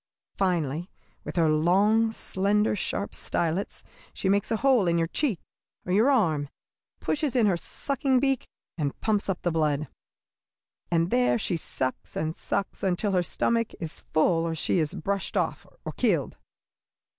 Finally, with her long, slender, sharp stylets, she makes a hole in your cheek or your arm, pushes in her sucking beak, and pumps up the blood. And there she sucks and sucks until her stomach is full or she is brushed off or killed."